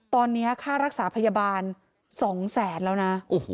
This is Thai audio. ตอนนี้ค่ารักษาพยาบาล๒แสนแล้วนะ